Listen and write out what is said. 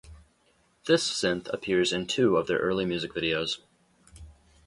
This synth appears in two of their early music videos.